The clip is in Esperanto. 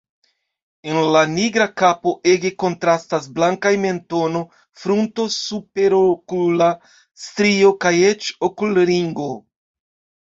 En la nigra kapo ege kontrastas blankaj mentono, frunto, superokula strio kaj eĉ okulringo.